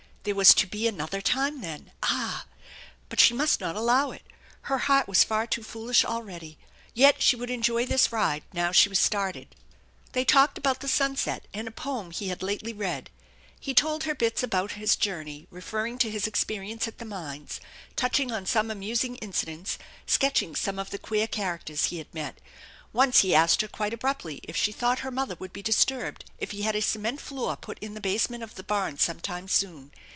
There was to be another time, then ! Ah ! But she must not allow it. Her heart was far too foolish already. Yet she would enjoy this ride, now she was started. They talked about the sunset and a poem he had lately 199 200 THE ENCHANTED BARN read. He told her bits about his journey, referring to his experience at the mines, touching on some amusing incidents, sketching some of the queer characters he had met. Once he asked her quite abruptly if she thought her mother would be disturbed if he had a cement floor put in the basement of the barn some time soon.